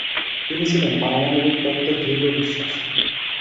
তিনি ছিলেন পারমাণবিক তত্ত্বে দৃঢ় বিশ্বাসী।